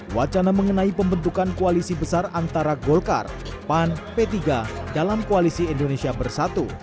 wacana mengenai pembentukan koalisi besar antara golkar pan p tiga dalam koalisi indonesia bersatu